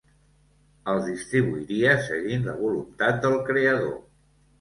Els distribuiria seguint la voluntat del creador.